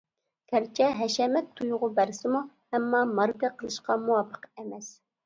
گەرچە ھەشەمەت تۇيغۇ بەرسىمۇ ئەمما ماركا قىلىشقا مۇۋاپىق ئەمەس.